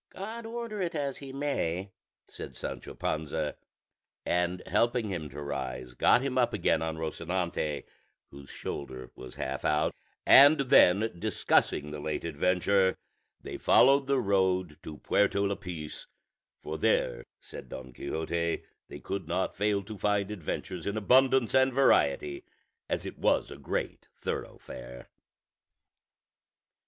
"God order it as he may," said Sancho Panza; and helping him to rise, got him up again on Rosinante, whose shoulder was half out; and then, discussing the late adventure, they followed the road to Puerto Lapice, for there, said Don Quixote, they could not fail to find adventures in abundance and variety, as it was a great thoroughfare.